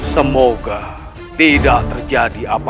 semoga tidak terjadi apa